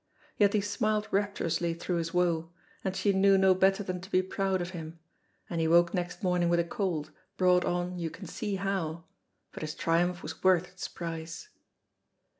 Yet he smiled rapturously through his woe, and she knew no better than to be proud of him, and he woke next morning with a cold, brought on you can see how, but his triumph was worth its price.